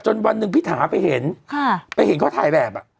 วันหนึ่งพี่ถาไปเห็นไปเห็นเขาถ่ายแบบ